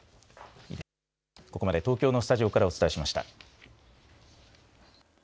ここまで東京のスタジオからお伝えしました。